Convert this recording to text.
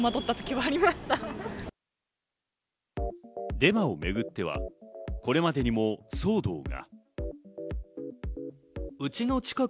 デマをめぐっては、これまでにも騒動が。